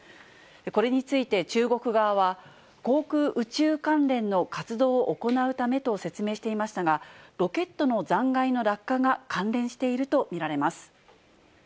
これについて中国側は、航空宇宙関連の活動を行うためと説明していましたが、ロケットの残骸の落下が関連していると見られます。